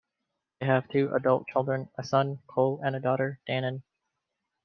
They have two adult children: a son, Cole, and a daughter, Dannon.